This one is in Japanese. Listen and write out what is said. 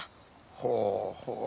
ほうほう。